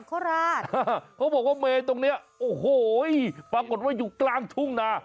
โคราชเขาบอกว่าเมนตรงเนี้ยโอ้โหปรากฏว่าอยู่กลางทุ่งนา